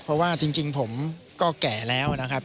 เพราะว่าจริงผมก็แก่แล้วนะครับ